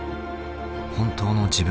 「本当の自分」？